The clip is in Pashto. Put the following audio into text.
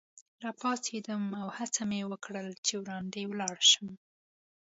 راپاڅېدم او هڅه مې وکړل چي وړاندي ولاړ شم.